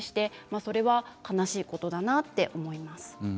それは悲しいことだなと思います。